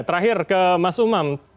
terakhir ke mas umam